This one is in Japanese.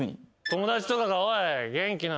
友達とかが「おい」